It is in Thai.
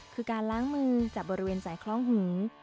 คือการล้างมือจากบริเวณสายคล้องหู